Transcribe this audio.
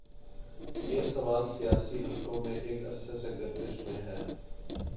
یہ سوال سیاسی حلقوں میں ایک عرصے سے گردش میں ہے۔